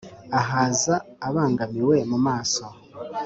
Ahaza abangamiwe mu maso,